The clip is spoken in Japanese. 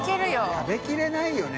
食べきれないよね。